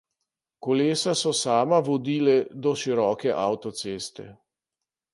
Kolesa so sama vodile do široke avtoceste.